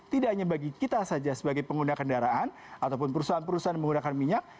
tidak hanya bagi kita saja sebagai pengguna kendaraan ataupun perusahaan perusahaan menggunakan minyak